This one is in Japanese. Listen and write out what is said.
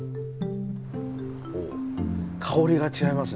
お香りが違いますね。